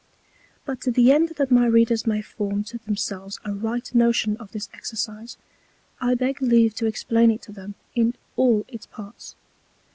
But to the end that my Readers may form to themselves a right Notion of this Exercise, I beg leave to explain it to them in all its Parts.